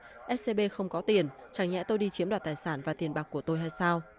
bị cáo nói scb không có tiền chẳng nhẽ tôi đi chiếm đoạt tài sản và tiền bạc của tôi hay sao